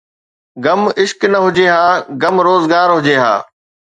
غم عشق نه هجي ها، غم روزگار هجي ها